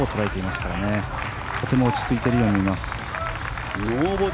とても落ち着いているように見えます。